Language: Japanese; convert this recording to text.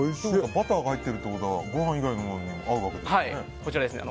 バターが入ってるってことはご飯以外にも合うんですね。